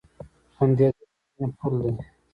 • خندېدل د مینې پل دی.